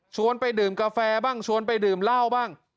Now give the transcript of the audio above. ไปดื่มกาแฟบ้างชวนไปดื่มเหล้าบ้าง